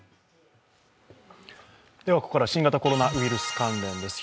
ここからは新型コロナウイルス関連です。